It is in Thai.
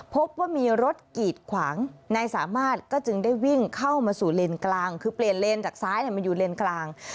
พบว่ามีรถกีดขวางนายสามารถก็จึงได้วิ่งเข้ามาสู่เลนกลางคือเปลี่ยนเลนจากซ้ายมาอยู่เลนกลาง